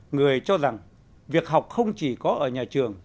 người cho rằng việc học không chỉ có ở nhà trường